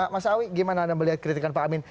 mas awi gimana anda melihat kritikan pak amin